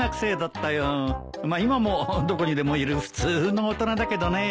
まあ今もどこにでもいる普通の大人だけどね。